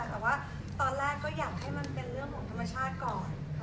แต่ว่าตอนแรกก็อยากให้มันเป็นเรื่องของธรรมชาติก่อน